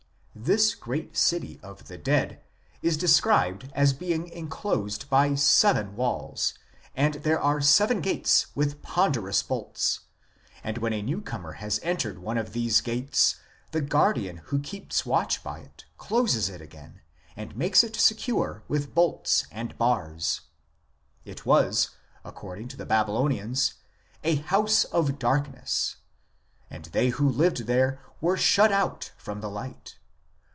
This great city of the dead is described as being enclosed by seven walls, and there are seven gates with ponderous bolts ; and when a new comer has entered one of these gates the guardian who keeps watch by it closes it again and makes it secure with bolts and bars. It was, according to the Babylonians, " a house of darkness," and they who lived there were shut out from the light.